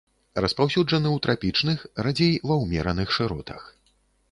Распаўсюджаны ў трапічных, радзей ва ўмераных шыротах.